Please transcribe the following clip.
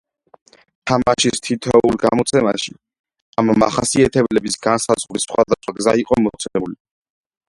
თამაშის თითოეულ გამოცემაში ამ მახასიათებლების განსაზღვრის სხვადასხვა გზა იყო მოცემული.